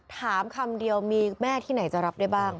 คำเดียวมีแม่ที่ไหนจะรับได้บ้าง